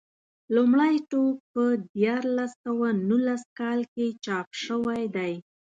لومړی ټوک په دیارلس سوه نولس کال کې چاپ شوی دی.